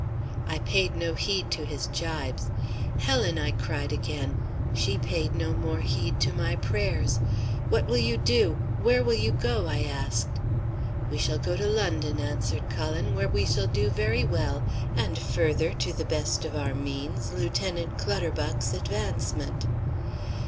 "I paid no heed to his gibes. "'Helen,' I cried, again. She paid no more heed to my prayers. 'What will you do? Where will you go?' I asked. "'We shall go to London,' answered Cullen, 'where we shall do very well, and further to the best of our means Lieutenant Clutterbuck's advancement.'